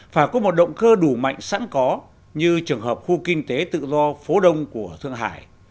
phải có một động cơ đủ mạnh sẵn có như trường hợp khu kinh tế tự do phố đông của thượng hải